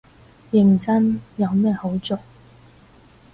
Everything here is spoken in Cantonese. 認真，有咩好做